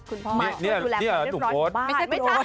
คุณพ่อใหม่ช่วยดูแลความเรียบร้อยอยู่บ้าน